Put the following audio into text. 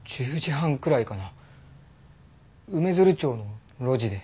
梅鶴町の路地で。